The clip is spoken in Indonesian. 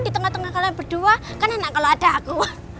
di tengah tengah kalian berdua kan enak kalau ada aku